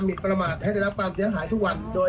ทุกคนจะได้รับหมายสาร